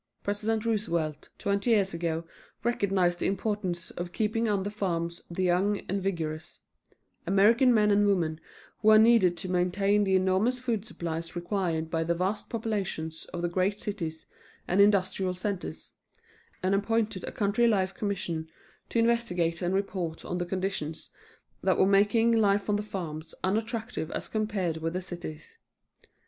President Roosevelt twenty years ago recognized the importance of keeping on the farms the young and vigorous American men and women who are needed to maintain the enormous food supplies required by the vast populations of the great cities and industrial centers, and appointed a Country Life Commission to investigate and report on the conditions that were making life on the farms unattractive as compared with the cities.